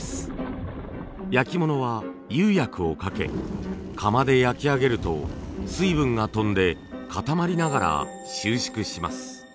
焼き物は釉薬をかけ窯で焼き上げると水分が飛んで固まりながら収縮します。